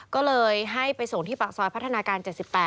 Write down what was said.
ก็เลยให้ไปส่งที่ปากซอยพัฒนาการ๗๘